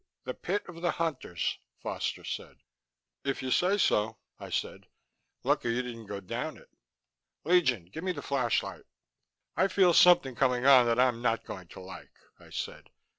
"The Pit of the Hunters," Foster said. "If you say so," I said. "Lucky you didn't go down it." "Legion, give me the flashlight." "I feel something coming on that I'm not going to like," I said.